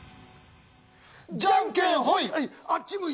じゃんけんほい！